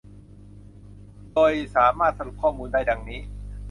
โดยสามารถสรุปข้อมูลได้ ดังนี้